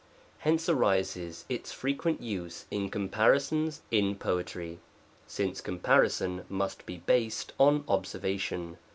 Hence arises its frequent use in comparisons in poetry, since compari son must be based on observation.